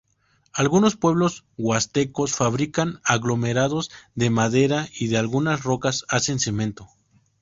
Algunos pueblos huastecos fabrican aglomerados de madera y de algunas rocas hacen cemento.